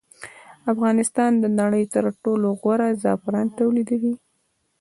افغانستان د نړۍ تر ټولو غوره زعفران تولیدوي